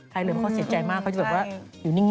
ใครเหลือเขาเสียใจมากเขาจะบอกว่าอยู่นิ่ง